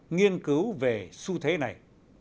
nghiên cứu về xu thế này